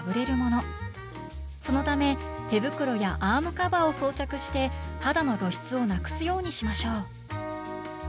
そのため手袋やアームカバーを装着して肌の露出をなくすようにしましょう。